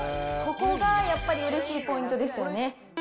ここがやっぱりうれしいポイントですよね。